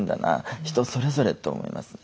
人それぞれと思いますね。